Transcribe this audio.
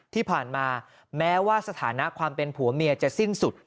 ที่ผ่านมาแม้ว่าสถานะความเป็นผัวเมียจะสิ้นสุด